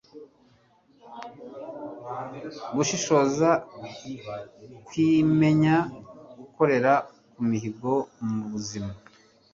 gushishoza, kwimenya, gukorera ku mihigo mu buzima